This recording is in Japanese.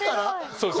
そうです